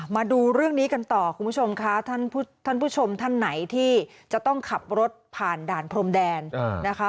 มาดูเรื่องนี้กันต่อคุณผู้ชมค่ะท่านผู้ชมท่านไหนที่จะต้องขับรถผ่านด่านพรมแดนนะคะ